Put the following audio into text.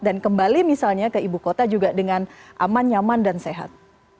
dan kembali misalnya ke ibu kota juga dengan aman nyaman dan sehat